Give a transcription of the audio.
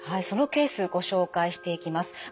そのケースご紹介していきます。